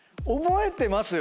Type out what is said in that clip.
覚えてます。